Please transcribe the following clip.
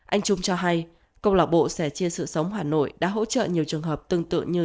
anh trung cho hay công lạc bộ sẻ chia sự sống hà nội đã hỗ trợ nhiều trường hợp tương tự như